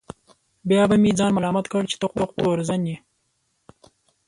بیا به مې ځان ملامت کړ چې ته خو تورزن یې.